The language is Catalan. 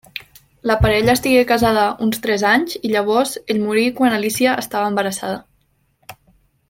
La parella estigué casada uns tres anys i llavors ell morí quan Alícia estava embarassada.